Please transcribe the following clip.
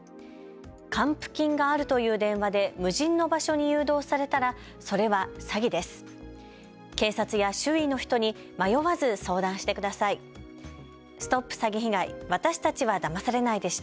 還付金があるという電話で無人の場所に誘導されたらそれは詐欺です。